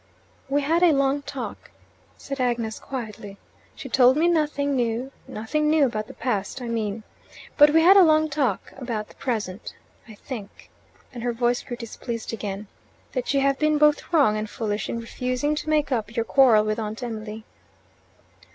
"We had a long talk," said Agnes quietly. "She told me nothing new nothing new about the past, I mean. But we had a long talk about the present. I think" and her voice grew displeased again "that you have been both wrong and foolish in refusing to make up your quarrel with Aunt Emily."